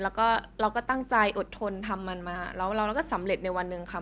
แล้วก็เราก็ตั้งใจอดทนทำมันมาแล้วเราก็สำเร็จในวันหนึ่งค่ะ